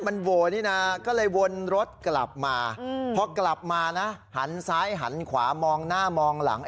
มันโหวนี่นะก็เลยวนรถกลับมาพอกลับมานะหันซ้ายหันขวามองหน้ามองหลัง